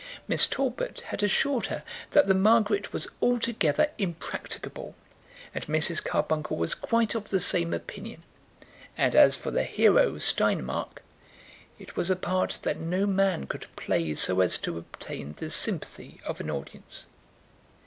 Miss Talbot had assured her that the Margaret was altogether impracticable, and Mrs. Carbuncle was quite of the same opinion. And as for the hero, Steinmark, it was a part that no man could play so as to obtain the sympathy of an audience.